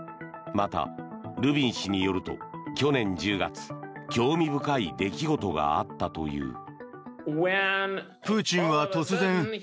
また、ルビン氏によると去年１０月興味深い出来事があったという。